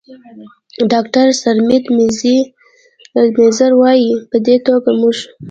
ډاکتر سرمید میزیر، وايي: "په دې توګه موږ